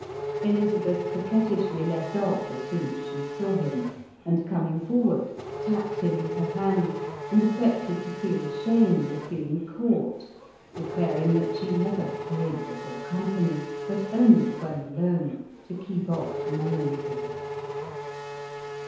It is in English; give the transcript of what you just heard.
Elizabeth coquet tishly left off as soon as she saw him, and coming for ward, tapped him with her hand and affected to feel ashamed of being caught, declaring that she never played before company, but only when alone, to keep off melancholy.